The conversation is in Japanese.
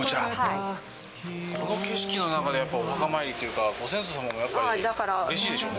この景色の中でやっぱお墓参りっていうか、ご先祖様もやっぱりうれしいでしょうね。